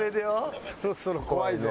そろそろ怖いぞ。